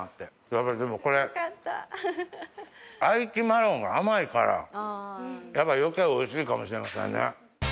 ヤバいでもこれ愛樹マロンが甘いからやっぱり余計おいしいかもしれませんね。